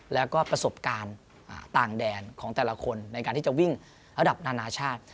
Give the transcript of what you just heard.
แล้วก็ประสบการณ์ต่างแดนของแต่ละคนในการที่จะวิ่งระดับนานาชาติ